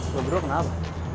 lo guru kenapa